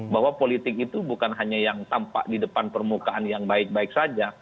bahwa politik itu bukan hanya yang tampak di depan permukaan yang baik baik saja